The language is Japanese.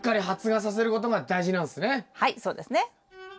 先生はいそうですね。